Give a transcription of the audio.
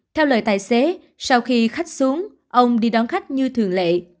theo lời tài xế sau khi khách xuống ông đi đón khách như thường lệ